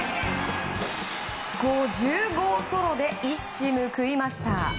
５０号ソロで一矢報いました。